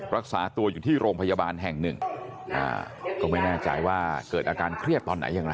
รักษาตัวอยู่ที่โรงพยาบาลแห่งหนึ่งก็ไม่แน่ใจว่าเกิดอาการเครียดตอนไหนอย่างไร